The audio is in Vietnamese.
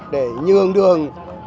để nhường đường